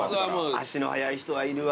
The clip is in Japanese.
足の速い人いるわ。